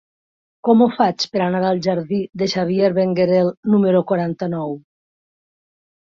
Com ho faig per anar al jardí de Xavier Benguerel número quaranta-nou?